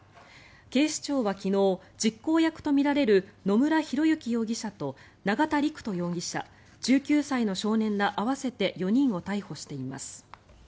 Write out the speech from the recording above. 警視庁は昨日、実行役とみられる野村広之容疑者と永田陸人容疑者１９歳の少年ら合わせて４人を逮捕しています。